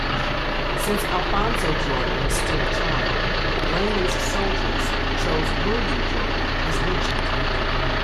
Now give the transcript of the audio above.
Since Alfonso-Jordan was still a child, Raymond's soldiers chose William-Jordan as regent.